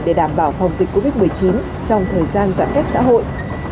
để đảm bảo phòng dịch covid một mươi chín trong thời gian giãn cách xã hội